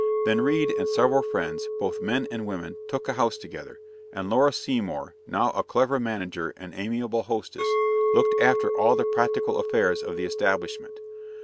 Then Reade and several friends, both men and women, took a house together; and Laura Seymour, now a clever manager and amiable hostess, looked after all the practical affairs of the establishment.